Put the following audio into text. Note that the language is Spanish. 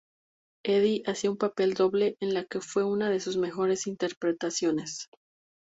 Eddy hacía un papel doble en la que fue una de sus mejores interpretaciones.